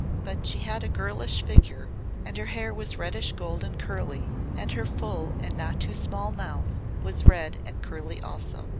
But she had a girlish figure and her hair was reddish gold and curly and her full and not too small mouth was red and curly also.